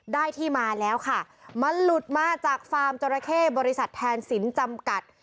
ได้ที่มาแล้วค่ะมันหลุดมาจากฟาร์มจราเข้บริษัทแทนสินจำกัด